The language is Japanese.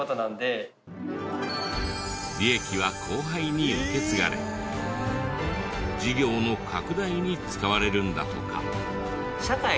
利益は後輩に受け継がれ事業の拡大に使われるんだとか。